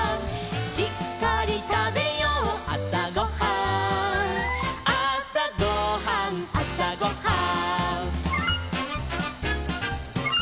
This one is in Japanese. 「しっかりたべようあさごはん」「あさごはんあさごはん」